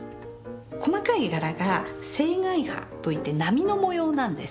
細かい柄が青海波といって波の模様なんですね。